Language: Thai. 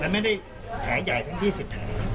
มันไม่ได้แผลใหญ่ตั้งที่๑๐แผล